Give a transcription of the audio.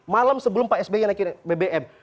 malam sebelum pak sby naik bbm